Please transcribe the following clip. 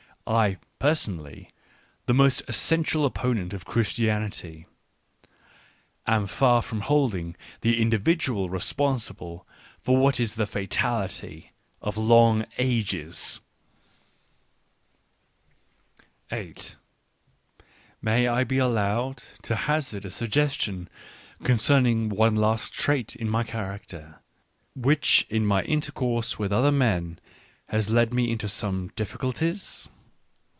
I, personally, the most essential opponent of Christianity, am far from holding the individ ual responsible for what is the fatality of long ages. Digitized by Google WHY I AM SO WISE 2$ 8 S May I be allowed to hazard a suggestion con cerning one last trait in my character, which in my intercourse with other men has led me into some difficulties